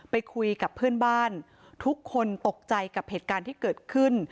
ไปคุยกับเพื่อนบ้านทุกคนตกใจกับเหตุการณ์ที่เกิดขึ้น